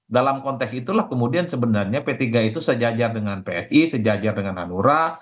dalam konteks itulah kemudian sebenarnya p tiga itu sejajar dengan psi sejajar dengan hanura